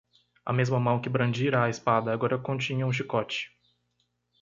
A mesma mão que brandira a espada agora continha um chicote.